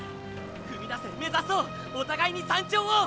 踏み出せ目指そうお互いに山頂を！